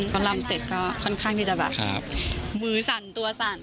พอลำเสร็จก็ค่อนข้างที่จะแบบมือสั่นตัวสั่น